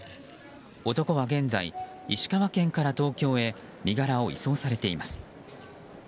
男は現在、石川県から東京へ身柄を移送されています。